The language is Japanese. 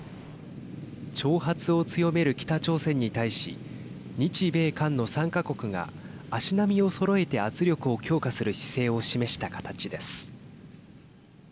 挑発を強める北朝鮮に対し日米韓の３か国が足並みをそろえて圧力を強化する姿勢を示した形です。